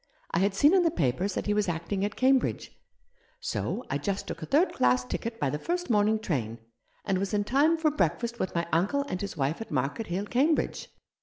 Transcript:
I had seen in the papers that he was acting at Cambridge, so I just took a third class ticket by the first morning train, and was in time for breakfast with my uncle and his wife at Market Hill, Cambridge.